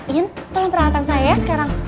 iyan tolong perangkatan saya ya sekarang